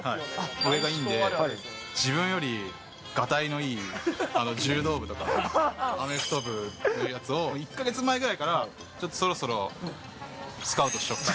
上がいいので、自分よりがたいのいい柔道部とかアメフト部のやつを、１か月前ぐらいから、ちょっとそろそろスカウトしとくか。